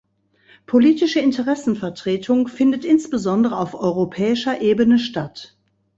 Politische Interessenvertretung findet insbesondere auf europäischer Ebene statt.